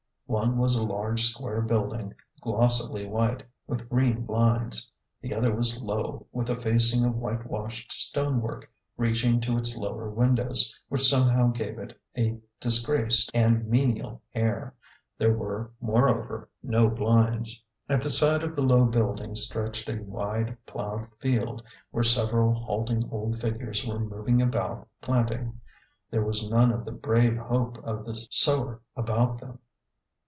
One was a large square building, glossily white, with green 238 A GENTLE GHOST. blinds ; the other was low, with a facing of whitewashed stone work reaching to its lower windows, which somehow gave it a disgraced and menial air ; there were, moreover, no blinds. At the side of the low building stretched a wide ploughed field, where several halting old figures were moving about planting. There was none of the brave hope of the sower about them.